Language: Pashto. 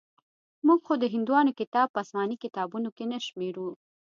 موږ خو د هندوانو کتاب په اسماني کتابونو کښې نه شمېرو.